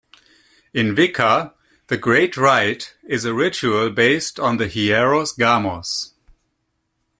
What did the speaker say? In Wicca, the Great Rite is a ritual based on the Hieros Gamos.